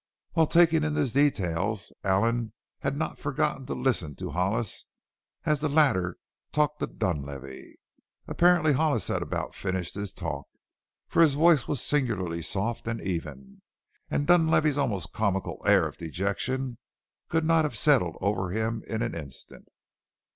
While taking in these details Allen had not forgotten to listen to Hollis as the latter talked to Dunlavey. Apparently Hollis had about finished his talk, for his voice was singularly soft and even, and Dunlavey's almost comical air of dejection could not have settled over him in an instant.